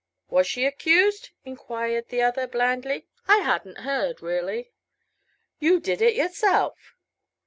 "Was she accused?" enquired the other, blandly. "I hadn't heard, really." "You did it yourself!"